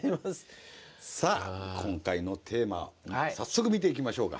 さあ今回のテーマ早速見ていきましょうか。